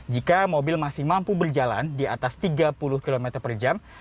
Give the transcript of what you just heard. jika mobil masih mampu berjalan di atas tiga puluh km per jam